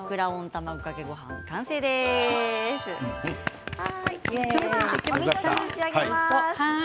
ではおみそ汁を仕上げます。